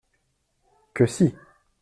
Que si !